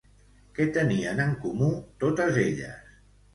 Què tenien en comú totes elles?